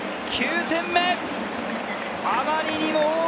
９点目！